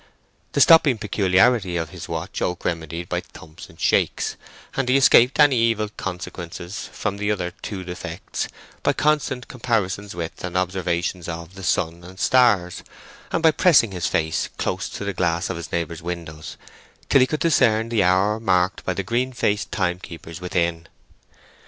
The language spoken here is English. The stopping peculiarity of his watch Oak remedied by thumps and shakes, and he escaped any evil consequences from the other two defects by constant comparisons with and observations of the sun and stars, and by pressing his face close to the glass of his neighbours' windows, till he could discern the hour marked by the green faced timekeepers within.